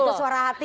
oke itu suara hati